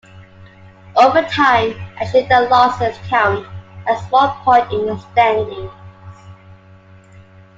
Overtime and shootout losses count as one point in the standings.